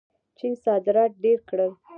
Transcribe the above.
چین صادرات ډېر کړل.